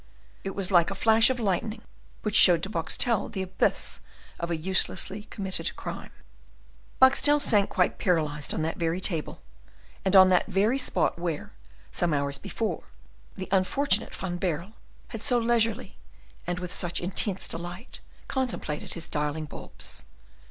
It was like a flash of lightning which showed to Boxtel the abyss of a uselessly committed crime. Boxtel sank quite paralyzed on that very table, and on that very spot where, some hours before, the unfortunate Van Baerle had so leisurely, and with such intense delight, contemplated his darling bulbs.